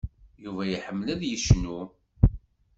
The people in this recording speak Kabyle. Yuba iḥemmel ad yecnu.